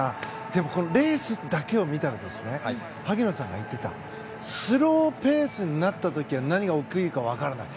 でも、レースだけを見たら萩野さんが言ってたスローペースになった時何が起きるか分からない。